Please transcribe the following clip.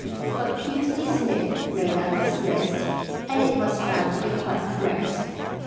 But Pusely Smythe made out his list and it was found to be quite correct.